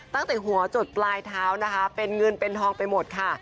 ตั้งแต่หัวจดปลายเท้านะคะเป็นเงินเป็นทองไปหมดค่ะ